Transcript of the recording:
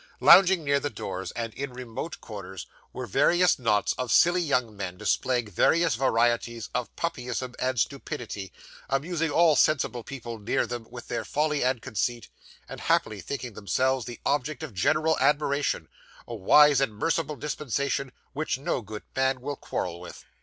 Lounging near the doors, and in remote corners, were various knots of silly young men, displaying various varieties of puppyism and stupidity; amusing all sensible people near them with their folly and conceit; and happily thinking themselves the objects of general admiration a wise and merciful dispensation which no good man will quarrel with.